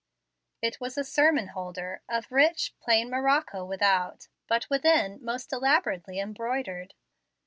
It was a sermon holder, of rich, plain morocco without, but within, most elaborately embroidered.